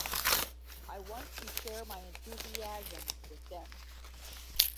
I want to share my enthusiasm with them.